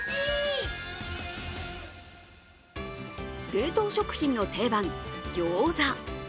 冷凍食品の定番、ギョーザ。